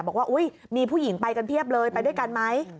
บอกว่าอุ๊ยมีผู้หญิงไปกันเพียบเลยไปด้วยกันไหม